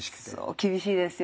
厳しいですよ。